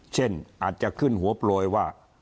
เช่นอาจจะขึ้นหัวโปรยว่า